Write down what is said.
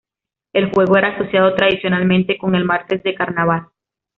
El juego era asociado tradicionalmente con el martes de carnaval.